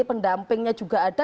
pendampingnya juga ada